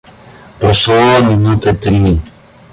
Прошло минуты три.